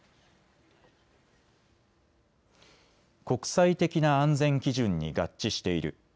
国際的な安全基準に合致している。